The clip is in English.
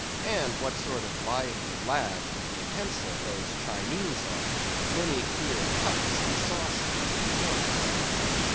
And what sort of lively lads with the pencil those Chinese are, many queer cups and saucers inform us.